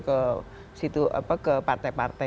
ke situ ke partai partai